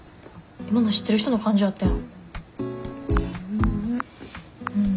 今の知ってる人の感じやったやん。